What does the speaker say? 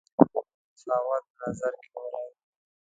مساوات په نظر کې ولرو.